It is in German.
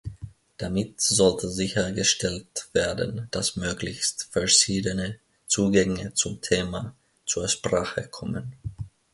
Damit sollte sichergestellt werden, dass möglichst verschiedene Zugänge zum Thema zur Sprache kommen.